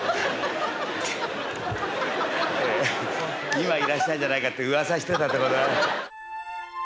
今いらっしゃるんじゃないかってうわさしてたんでございます。